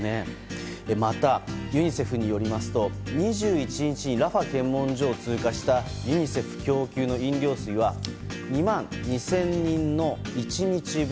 また、ユニセフによりますと２１日にラファ検問所を通過したユニセフ供給の飲料水は２万２０００人の１日分。